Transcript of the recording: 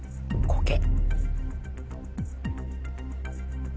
コケ。